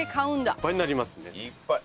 いっぱいになりますね。